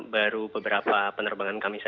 baru beberapa penerbangan kami